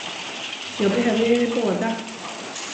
Jag behöver er båda.